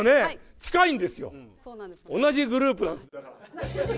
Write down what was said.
近いんですよ、同じグループなんです。